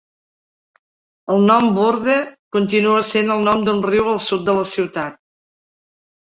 El nom Bourde continua essent el nom d'un riu al sud de la ciutat.